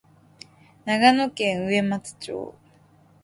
長野県上松町